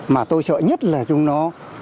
mà tôi sợ nhất là chúng nó